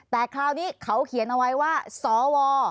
แต่คราวนี้เขาเขียนเอาไว้ว่าสว